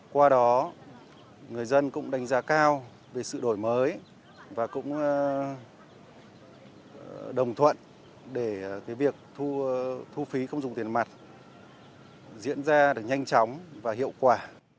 qua đó người dân cũng đánh giá cao về sự đổi mới và cũng đồng thuận để việc thu phí không dùng tiền mặt diễn ra được nhanh chóng và hiệu quả